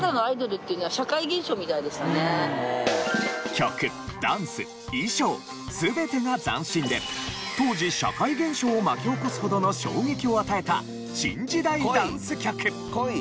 曲ダンス衣装全てが斬新で当時社会現象を巻き起こすほどの衝撃を与えた新時代ダンス曲。